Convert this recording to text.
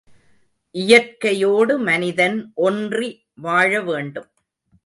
இயற்கையோடு மனிதன் ஒன்றி வாழவேண்டும்.